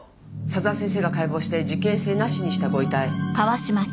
佐沢先生が解剖して事件性なしにしたご遺体。